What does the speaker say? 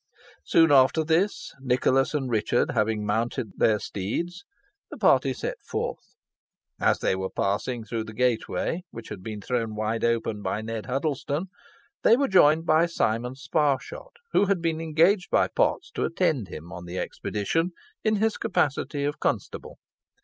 Soon after this, Nicholas and Richard having mounted their steeds, the party set forth. As they were passing through the gateway, which had been thrown wide open by Ned Huddlestone, they were joined by Simon Sparshot, who had been engaged by Potts to attend him on the expedition in his capacity of constable.